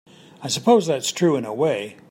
I suppose that's true in a way.